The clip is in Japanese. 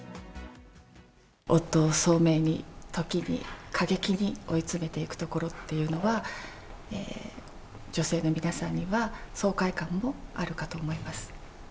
夫を聡明に、時に過激に追い詰めていくところっていうのが、女性の皆さんには爽快感もあるかと思います。